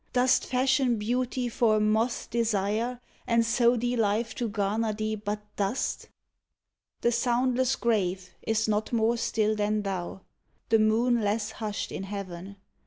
Dost fashion beauty for a moth's desire, And sow thee life to gamer thee but dust*? The soundless grave is not more still than Thou, The moon less husht in heaven